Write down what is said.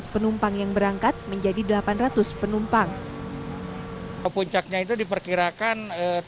tujuh ratus penumpang yang berangkat menjadi delapan ratus penumpang hai puncaknya itu diperkirakan